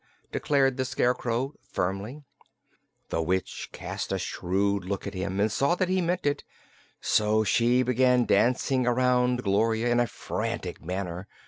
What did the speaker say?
declared the Scarecrow, firmly. The witch cast a shrewd look at him and saw that he meant it; so she began dancing around Gloria in a frantic manner.